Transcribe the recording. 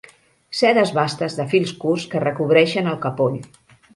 Sedes bastes de fils curts que recobreixen el capoll.